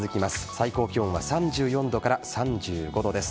最高気温は３４度から３５度です。